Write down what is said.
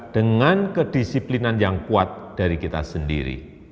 dengan kedisiplinan yang kuat dari kita sendiri